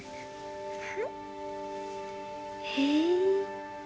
へえ。